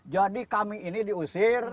jadi kami ini diusir